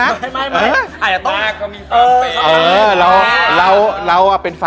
ไม่ไข่อาจจะต้อง